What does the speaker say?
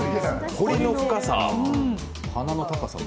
彫りの深さ、鼻の高さも。